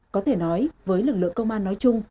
có thể nói với lực lượng công an nói chung